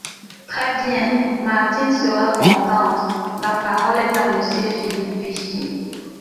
Très bien ! Martine sera contente ! La parole est à Monsieur Philippe Vigier.